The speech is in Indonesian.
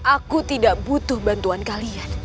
aku tidak butuh bantuan kalian